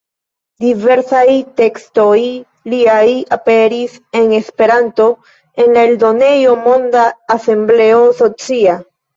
Diversaj tekstoj liaj aperis en Esperanto en la eldonejo Monda Asembleo Socia.